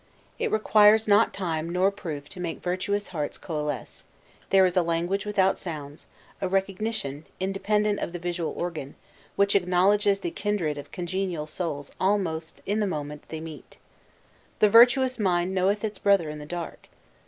It requires not time nor proof to make virtuous hearts coalesce; there is a language without sounds, a recognition, independent of the visual organ, which acknowledges the kindred of congenial souls almost in the moment they meet. "The virtuous mind knoweth its brother in the dark!"